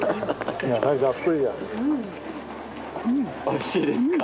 おいしいですか？